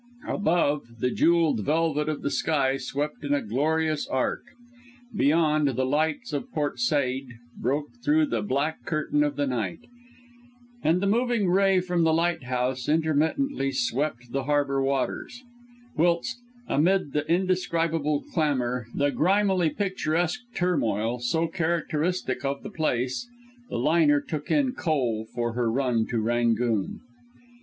Above, the jewelled velvet of the sky swept in a glorious arc; beyond, the lights of Port Said broke through the black curtain of the night, and the moving ray from the lighthouse intermittently swept the harbour waters; whilst, amid the indescribable clamour, the grimily picturesque turmoil, so characteristic of the place, the liner took in coal for her run to Rangoon.